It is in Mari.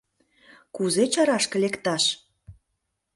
Кузе чарашке лекташ?